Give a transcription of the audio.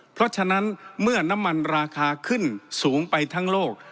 เพราะฉะนั้นเมื่อน้ำมันราคาขึ้นสูงไปทั้งโลก